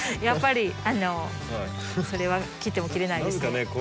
やっぱりそれは切っても切れないですね。